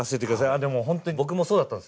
あでも本当に僕もそうだったんですよ。